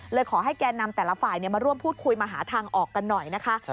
ขอให้แก่นำแต่ละฝ่ายมาร่วมพูดคุยมาหาทางออกกันหน่อยนะคะ